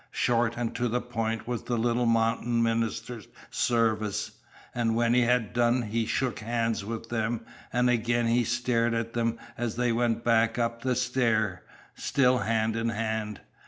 Short and to the point was the little mountain minister's service, and when he had done he shook hands with them, and again he stared at them as they went back up the stair, still hand in hand.